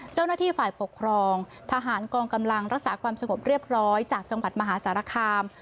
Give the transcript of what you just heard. เจ้าหน้าที่ฝ่ายปกครองทหารกองกำลังรักษาความสงบเรียบร้อยจากจังหวัดมหาสารคาม